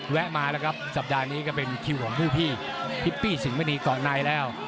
มาแล้วครับสัปดาห์นี้ก็เป็นคิวของผู้พี่ฮิปปี้สิงหมณีเกาะในแล้ว